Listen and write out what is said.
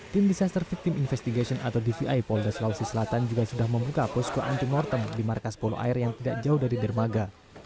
tim disaster victim investigation atau dvi polda sulawesi selatan juga sudah membuka posko anti mortem di markas polo air yang tidak jauh dari dermaga